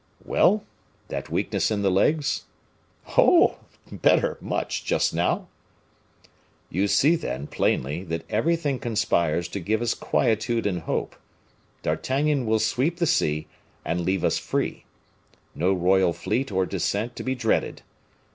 "Well! that weakness in the legs?" "Oh! better, much, just now." "You see, then, plainly, that everything conspires to give us quietude and hope. D'Artagnan will sweep the sea and leave us free. No royal fleet or descent to be dreaded.